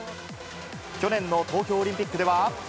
去年の東京オリンピックでは。